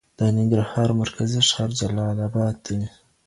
د ننګرهار مرکزي ښار جلالآباد دی.